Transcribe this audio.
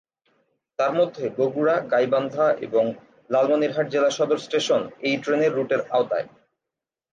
তারমধ্যে বগুড়া, গাইবান্ধা এবং লালমনিরহাট জেলা সদর স্টেশন এই ট্রেনের রুটের আওতায়।